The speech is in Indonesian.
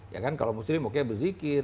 ya kan kalau muslim pokoknya berzikir